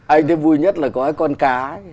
anh thấy vui nhất là có cái con cá